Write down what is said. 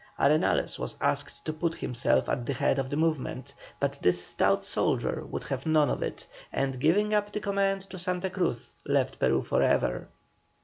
Arenales was asked to put himself at the head of the movement, but this stout soldier would have none of it, and giving up the command to Santa Cruz left Peru for ever.